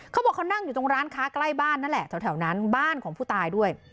เขาบอกเขานั่งอยู่ตรงร้านค้าใกล้บ้านนั่นแหละแถวนั้นบ้านของผู้ตายด้วย